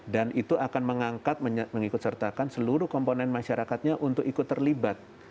dan itu akan mengangkat mengikut sertakan seluruh komponen masyarakatnya untuk ikut terlibat